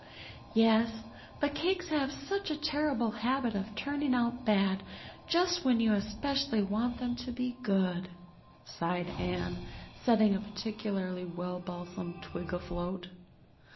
"Yes; but cakes have such a terrible habit of turning out bad just when you especially want them to be good," sighed Anne, setting a particularly well balsamed twig afloat.